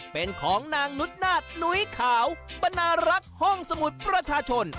เป็นของนางนุษนาฏหนุ้ยขาวปนารักษ์ห้องสมุทรประชาชน